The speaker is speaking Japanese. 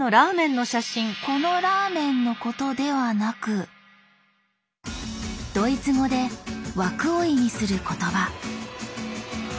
この「ラーメン」のことではなくドイツ語で「枠」を意味する言葉。